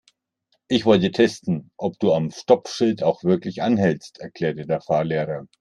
Ich wollte testen, ob du am Stoppschild auch wirklich anhältst, erklärte der Fahrlehrer.